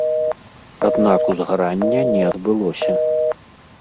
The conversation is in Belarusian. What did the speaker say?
Аднак узгарання не адбылося.